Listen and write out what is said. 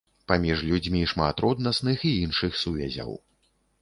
Паміж людзьмі шмат роднасных і іншых сувязяў.